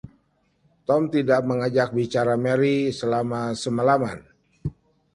Tom tidak mengajak bicara Mary selama semalaman.